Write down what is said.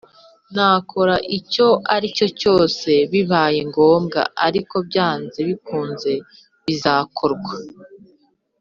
nakora icyo aricyo cyose bibaye ngombwa ariko byanze bikunze bizakorwa